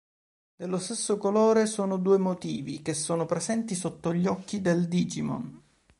Dello stesso colore sono due motivi che sono presenti sotto gli occhi del Digimon.